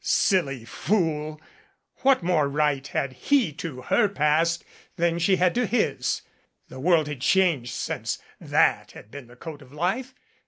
Silly fool ! What more right had he to her past than she had to his. The world had changed since that had been the code of life.